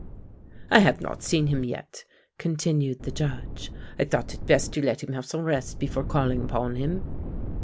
"I have not seen him yet," continued the Judge; "I thought it best to let him have some rest before calling upon him.